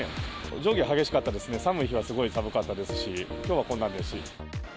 上下激しかったですね、寒い日はすごい寒かったですし、きょうはこんなんですし。